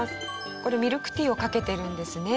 これミルクティーをかけてるんですね。